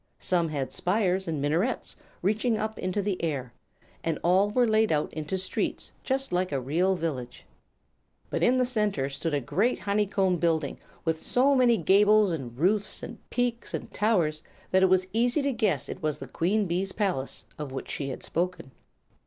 Some had spires and minarets reaching up into the air, and all were laid out into streets just like a real village. But in the center stood a great honey comb building with so many gables and roofs and peaks and towers that it was easy to guess it was the Queen Bee's palace, of which she had spoken.